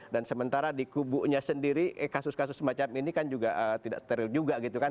dan sementara di kubuknya sendiri kasus kasus semacam ini kan juga tidak steril juga gitu kan